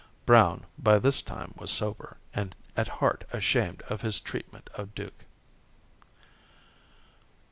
Brown by this time was sober, and at heart ashamed of his treatment of Duke.